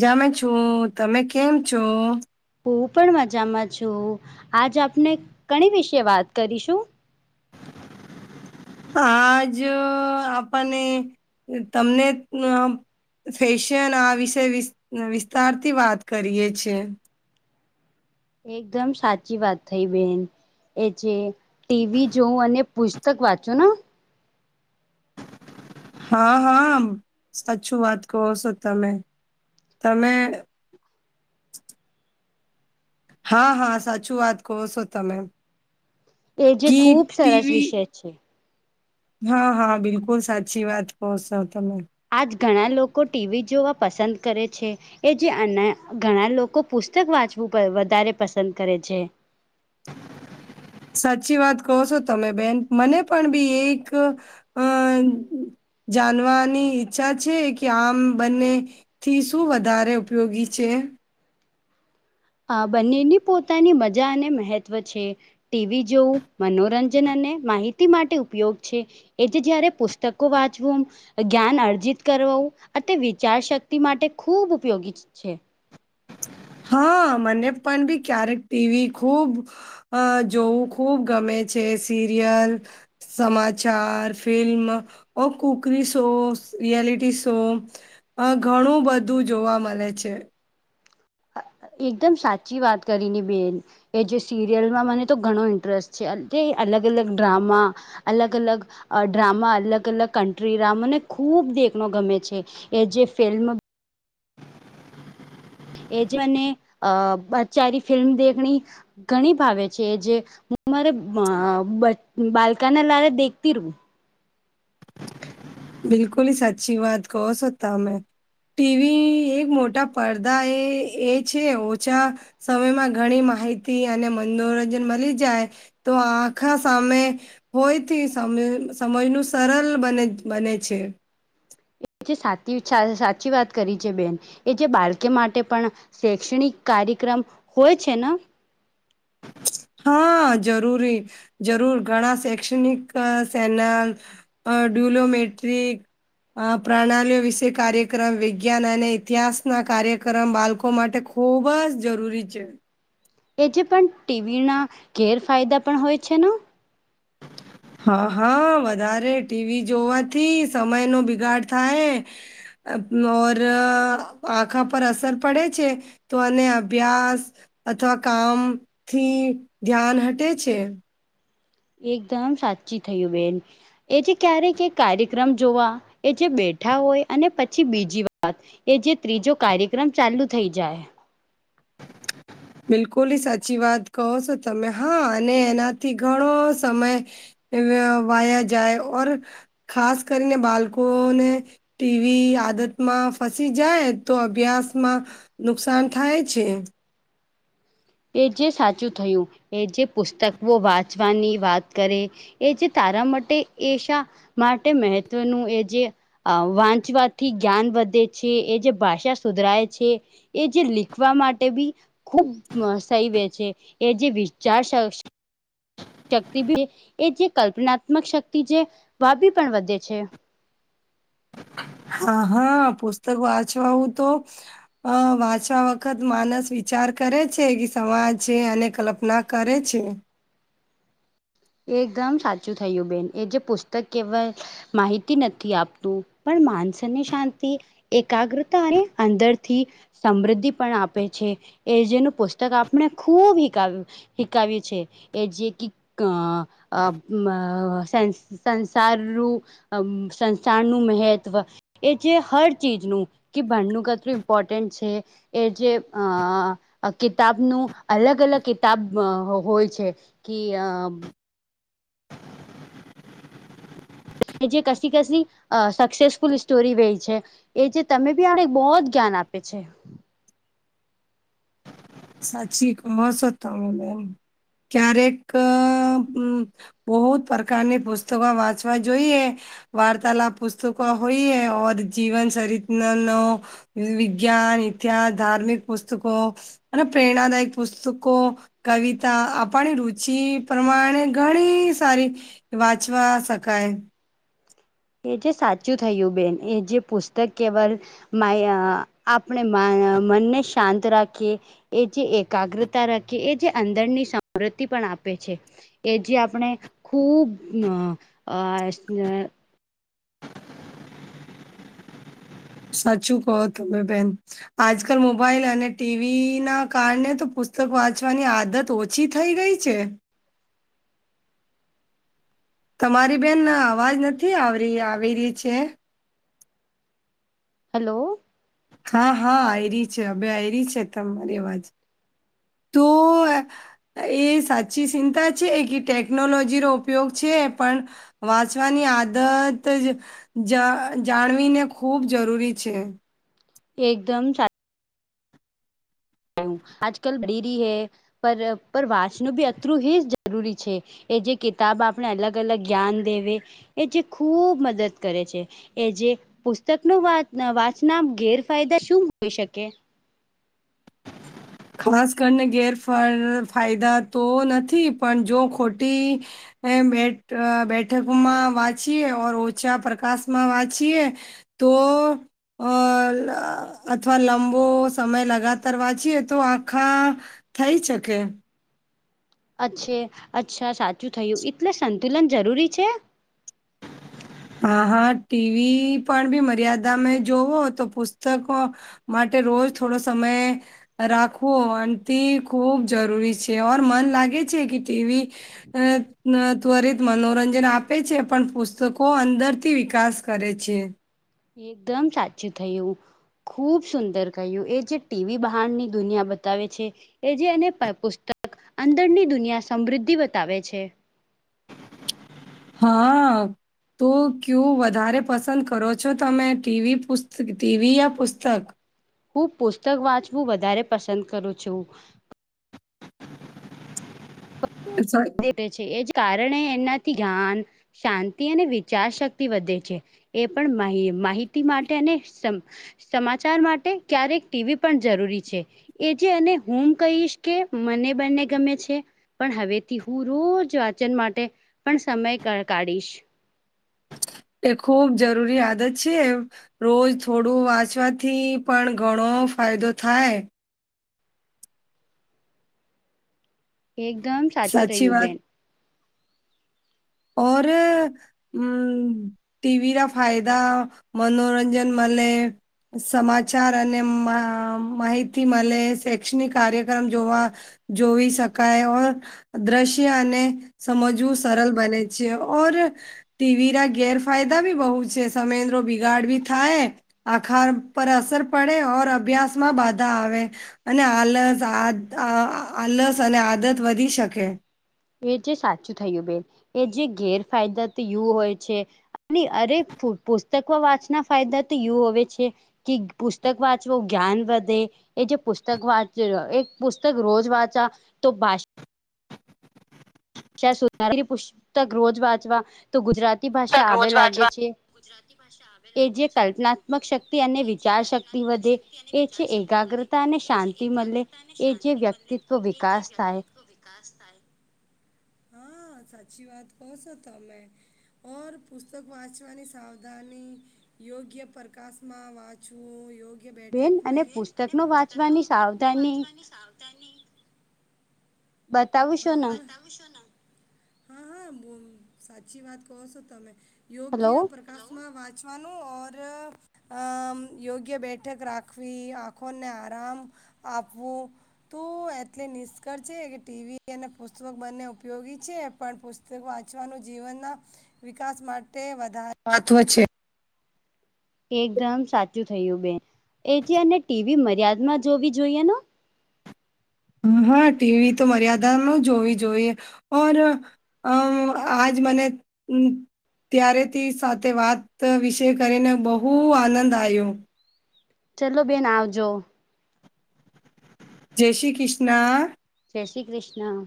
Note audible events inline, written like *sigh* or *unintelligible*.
જાામે છો તમે કેમ છો હું પણ મજામાં છું આજ આપને કણી વિશે વાત કરીશું આજ આપને તમને ફેશન આ વિશે વિ વિસ્તારથી વાત કરીએે છેીએ એકદમ સાચી વાત થઈ બેન એ જે ટીવી જોવું અને પુસ્તક વાંચું ને હા હા સાચું વાત કહો છો તમે તમે હા હા સાચું વાત કહો છો તમે એ જે ગીત, ખુબ સરસ ટીવી વિષય છે હા હા બિલકુલ સાચી વાત પહશો તમે આજ ઘણા લોકો ટીવી જોવા પસંદ કરે છે એ જે અના ઘણા લોકો પુસ્તક વાંચવું વધારે પસંદ કરે છે સાચી વાત કહો છો તમે બેન મને પણ બી એક અ જાણવાની ઈચ્છા છે કે આમ બંને થી શું વધારે ઉપયોગી છે આ બંનેની પોતાની મજા અને મહહેત્વ છે ટીવી જોવું મનોરંજન અને માહિતી માટે ઉપયોગ છે એજ જયારે પુસ્તકો વાંચવું જ્ઞાન અર્જિત કરું આ તે વિચાર શક્તિ માટે ખૂબ ઉપયોગી છે. હા મને પણ ભી ક્યારેક ટીવી ખૂબ અ જોવું ખૂબ ગમે છે સિરિયલ સમાચાર ફિલ્મ ઓ કુકરી શો રિયલિટી શો હ ઘણું બધું જોવા મળે છે. એકદમ સાચી વાત કરી બેન એ જે સિરિયલમાં મને તો ઘણો ઇન્ટરેસ્ટ છે તે અલગ અલગ ડ્રામા અલગ અલગ ડ્રામા અલગ અલગ કન્ટ્રી ડામને ખૂબ દેખનો ગમે છે એ જે ફિલ્મ એ જે મને અ બચારી ફિલ્મ દખણી ઘણી ભાવે છે જે હું મારે બાલકાના લારે દેખતી રું બિલકુલ સાચી વાત કહ સોતા હ મેં ટીવી એક મોટા પડદા એ એ છે ઓછા સમયમાં ઘણી માહિતી અને મનોરંજન મળી જાય તો આખા સામે હોયથી સમજનું સરળ બને બન છે. જે સાચ સાચી વાત કરી છે બેન એ જે બાળકે માટે પણ શૈક્ષણિક કાર્યક્રમ હોય છે ને હા જરૂરી જરૂર ઘણા શૈક્ષણિક સેનલ અ ડ્યુલોમેટ્રિક આ પ્રણાલીઓ વિશે કાર્યક્રમ વિજ્ઞાન અને ઇતિહાસના કાર્યક્રમ બાળકો માટે ખૂબ જ જરૂરી છે. એ જે પણ ટીવી ના ઘેર ફાયદા પણ હોય છે ન *inaudible* હા હા વધારે ટીવી જોવાથી સમયનો બિગાડ થાય ઓર આખા પર અસર પડે છે. તો અનેને અભ્યાસ અથવા કામ થી ધ્યાન હટે છે. એકદમ સાચી થયું બેન એ જે ક્યારેક કાર્યક્રમ જોવા એ જે બેઠા હોય અને પછી બીજી વાત એ જે ત્રીજો કાર્યક્રમ ચાલુ થઇ જાય *inaudible* બિલકુલ સાચી વાત કહો છો તમે હા અને એનાથી ઘણો સમય વાયા જાય ખાસ કરીને બાળકોને ટીવી આદતમાં ફસી જાય તો અભ્યાસમાં નુકસાન થાય જ છે એ જે સાચું થયું એ જે પુસ્તકો વાંચવાની વાત કરે એ જે તારા માટે એશા માટે મહત્વનું એ જે અ વાંચવાથી જ્ઞાન વધે છે એ જે ભાષા સુધરાય છે. એ જે લીખવા માટે બી ખુબ સહી વ છે એ જે વિચાર શક્તિી એ જે કલ્પનાત્મક શક્તિ છે વાભી પણ વધે છે. હા હા પુસ્તક વાંચવા હું તો હ વાંચવા વખત માનસ વિચાર કરે છે કે સમાજ છે અને કલ્પના કરે છે એ એકદમ સાચું થયું બેન એ જે પુસ્તક કેવલ માહિતી નથી આપતું પણ માનસને શાંતિ એકાગ્રતા અને અંદરથી સમૃદ્ધિ પણ આપે છે એ જેનું પુસ્તક આપણે ખૂબ હાવ શકાવ્યું છે એ જે સં સંસાર અમ સંસરનું મહત્વ એ છે હર ચીજનું કે ભણણ કેટલું ઇમ્પોર્ટન્ટ છે. એ જે અ કિતાબનું અલગ અલગ કિતાબ હોય છે. કિ અ જે કશ કશ સક્સેસફુલ સ્ટોરી વય છે. એ જે તમે બી આને બહ જ જ્ઞાન આપે છે. સાચીસ તમે બેમ ક્યારેક બહુ જ પ્રકારની પુસ્તકો વાંચવા જોઈએ. વાર્તાલાપ પુસ્તકો હોઈ જીવન શરીત નો. વિજ્ઞાન, ઇતિહાસ, ધાર્મિક, પુસ્તકો અને, પ્રેરણાદાયક પુસ્તકો. કવિતા આપણી રુચિ પ્રમાણે ઘણી સારી. વાંચવા શકાય. એ જે સાચું થયું બેન એ જે પુસ્તક કેવાલ. માયા આપણે મનને શાંત રાખીએ. એ જે એકાગ્રતા રાખે એ જે અંદરની સમૃતિ પણ આપે છે. કે જે આપણે ખૂબ અ આ *unintelligible* સાચું કહો તમે બેન. આજકાલ મોબાઈલ અને ટીવી ના કારણે તો પુસ્તક વાંચવાની આદત *unintelligible* છી થઈ ગઈ છે. તમારી બેન અવાજ નથી, આવ આવી રહી છે. હેલો, હા હા આવે છે, હવે આવે છે, તમારી અવાજ. તો. એ સાચી ચિંતા છે, કે ટેકનોલોજીનો ઉપયોગ છે, પણ. વાંચવાની આદત જ. જાણવીને ખૂબ જરૂરી છે. એકદમ *unintelligible* આજકાલ બી રહી હૈ પર વાંચવા નું પણ એટલું જ જરૂરી છે. એ જે કિતાબ આપણે અલગ અલગ જ્ઞાન દેવે એ જે ખૂબ મદદ કરે છે. એ જે પુસ્તક ન વાંચના ગેરફાયદા શું હોઈ શકે? ખાસ કરીને ગેરફર ફાયદા તો નથી પણ જો ખોટી. એ બે બેઠકમાં વાંચીએે ઓર ઓછા પ્રકાશ માં વાંચીએ. તો અ અથવા લાંબો સમય લગાતાર વાંચીએ. તો આખા થઈ શકે. અચ્છે અચ્છા સાચું થયું એટલે સંતુલન જરૂરી છે? હા હા ટીવી પણ મર્યાદામે જોવો તો પુસ્તકો. માટે રોજ થોડો સમય. રાખવો તે ખૂબ જરૂરી છે, ઓર મન લાગે છે, કે ટીવી. *unintelligible* ત્વરિત મનોરંજન આપે છે, પણ પુસ્તકો. કો અંદરથી વિકાસ કરે છે. એકદમ સાચું થઈયુ. ખુબ સુંદર કહ્યું એ જે ટીવી બહારની દુનિયા બતાવે છે. એ જેને પુસ્તક અંદરની દુનિયા સમૃદ્ધિ બતાવે છે. હા. તો ક્યુ વધારે પસંદ કરો છો, તમે ટીવી, પુસ્ત ટીવી યા પુસ્તક? હું પુસ્તક વાંચવું વધારે પસંદ કરું છું. *unintelligible* છે એ જ કારણે એનાથી જ જ્ઞાન શાંતિ અને વિચાર શક્તિ વધે છે. એ પણ માહ માહિતી માટે અને. સમાચાર માટે ક્યારેક ટીવી પણ જરૂરી છે. એ જે અને હું કહીશ કે મને બંને ગમે છે, પણ હવે થી હું રોજ વાચન માટે પણ સમય કાઢીશ. એ ખૂબ જરૂરી આદત છે, એમ. રોજ થોડું વાંચવાથી પણ ઘણો ફાયદો થાય. એકદમ સાચું સાચી કયું વાત બેન. *unintelligible* *unintelligible* ટીવી ના ફાયદા મનોરંજન મલે સમાચાર અને માહિતી મળે શૈક્ષણિક કાર્યક્રમ જોવા જોઈ શકાય દ્રશ્ય અને સમજવું સરળ બને છે. ઓર ટીવી ના ગેરફાયદા ભી બહુ છે સમયન્દ્રો બિગાડ બી થાય. આખા પર અસર પડે ઓર અભ્યાસમાં બાધા આવે. અને આલસ આ આલસ અને આદત વધી શકે. એ જે સાચું થયું બેન એ જે ગેરફાયદા યું હોય છે અને અરે પુસ્તકો વાંચના ફાયદા તો યું હોવે છે કે પુસ્તક વાંચવો જ્ઞાન વધે એ જે પુસ્તક વાંચ એ પુસ્તક રોજ વાંચા તો *unintelligible* પુસ્તક રોજ વાંચવા તો ગુજરાતી ભાષા આવે લાગે છે. એ જે કલ્પનાત્મક શક્તિ અને વિચાર શક્તિ વધે એ છે એકાગ્રતા અને શાંતિ મળે એ જે વ્યક્તિત્વ વિકાસ થાય હા સાચી વાત કહ છો તમે ઓર પુસ્તક વાંચવાની સાવધાની યોગ્ય પ્રકાશમાં વાંચવું યોગ્ય બેન અને બેઠક પુસ્તકનો પુસ્તકો વાંચવાની સાવધાની વાંચવાની સાવધાની બતાવું છું ને હા હા હા સાચી વાત કહો છો તમે હલો યોગ્ય પ્રકાર વાંચવાનું ઔર આ યોગ્ય બેઠક રાખવી આંખોને આરામ આપવું તું એટલે નિષ્કળ છે કે ટીવી અને પુસ્તક બંને ઉપયોગી છે પણ પુસ્તક વાંચવાનું જીવનના વિકાસ માટે વધારે મહત્વ છે. એકદમ સાચું થયું બેન એથી અને ટીવી મર્યાદમાં જોવી જોઈએ હ હા ટીવી તો મર્યાદા જ જોવી જોઈએ ઓર અમ આજ મને ત્યારેથી સાથે વાત વિષય કરીને બહુ આનંદ આયો. ચલો બેન આવજો જય શ્રી કૃષ્ણ જય શ્રી કૃષ્ણ